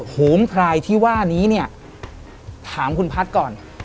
โหมพลายที่ว่านี้เนี่ยถามคุณพัฒน์ก่อน